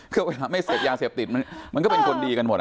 คือเวลาไม่เสพยาเสพติดมันก็เป็นคนดีกันหมด